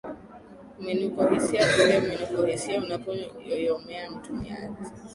mwinukohisia Punde mwinukohisia unapoyoyomea mtumiaji